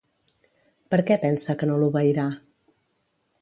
Per què pensa que no l'obeirà?